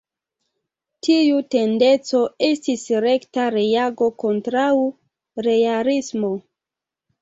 Tiu tendenco estis rekta reago kontraŭ realismo.